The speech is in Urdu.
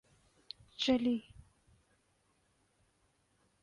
چلی